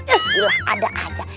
eh gila ada aja